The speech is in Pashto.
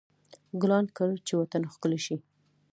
ګلان کر، چې وطن ښکلی شي.